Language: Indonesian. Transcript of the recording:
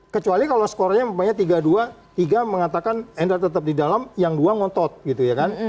kecuali kalau skornya tiga dua tiga mengatakan endra tetap di dalam yang dua ngotot gitu ya kan